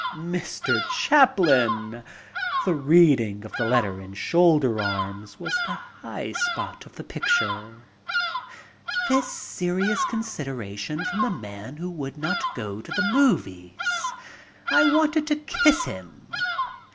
"Mr. Chaplin, the reading of the letter in 'Shoulder Arms* was the high spot of the picture." This serious consideration from the man who would not go to the movies. I wanted to kiss him.